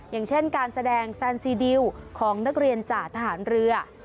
อย่างเช่นการแสดงแฟนซีดิวของนักเรียนจ่าทหารเรือ